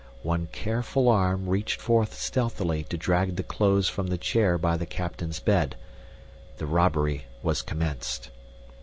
One careful arm reached forth stealthily to drag the clothes from the chair by the captain's bed the robbery was commenced.